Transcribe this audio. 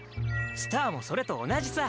スターもそれとおなじさ。